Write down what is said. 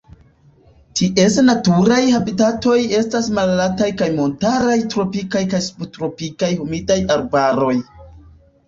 Ties naturaj habitatoj estas malaltaj kaj montaraj tropikaj kaj subtropikaj humidaj arbaroj.